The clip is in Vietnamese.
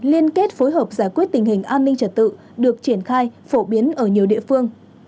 liên kết phối hợp giải quyết tình hình an ninh trật tự được triển khai phổ biến ở nhiều địa phương